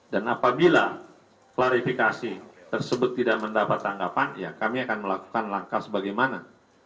dan apabila klarifikasi tersebut tidak mendapat tanggapan ya kami akan melakukan langkah sebagaimana